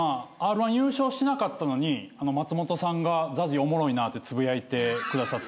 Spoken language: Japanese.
Ｒ−１優勝しなかったのに松本さんがＺＡＺＹおもろいなってつぶやいてくださって。